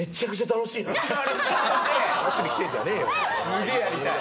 すげえやりたい。